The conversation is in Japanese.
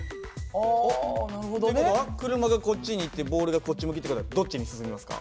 あなるほどね。って事は車がこっちに行ってボールがこっち向きって事はどっちに進みますか？